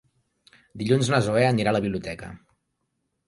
Dilluns na Zoè anirà a la biblioteca.